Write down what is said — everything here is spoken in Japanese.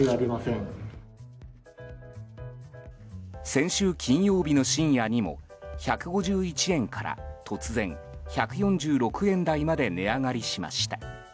先週金曜日の深夜にも１５１円から、突然１４６円台まで値上がりしました。